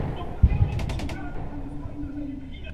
Y está situada en el condado de Yorkshire del Sur.